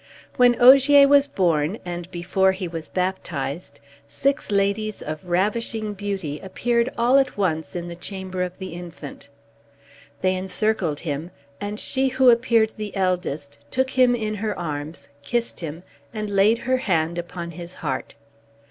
When Ogier was born, and before he was baptized, six ladies of ravishing beauty appeared all at once in the chamber of the infant. They encircled him, and she who appeared the eldest took him in her arms, kissed him, and laid her hand upon his heart.